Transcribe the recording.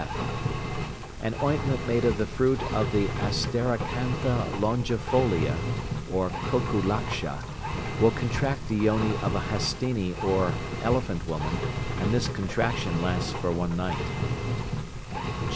(f). An ointment made of the fruit of the asteracantha longifolia (kokilaksha) will contract the yoni of a Hastini or elephant woman, and this contraction lasts for one night.